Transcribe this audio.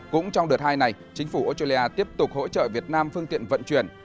cũng trong đợt hai này chính phủ australia tiếp tục hỗ trợ việt nam phương tiện vận chuyển